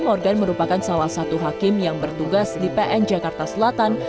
morgan merupakan salah satu hakim yang bertugas di pn jakarta selatan